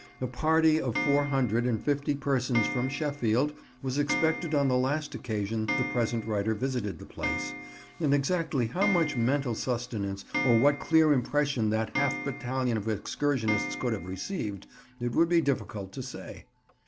A party of four hundred and fifty persons from Sheffield was expected on the last occasion the present writer visited the place, and exactly how much mental sustenance or what clear impression that half battalion of excursionists could have received, it would be difficult to say.